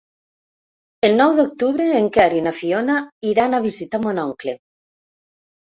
El nou d'octubre en Quer i na Fiona iran a visitar mon oncle.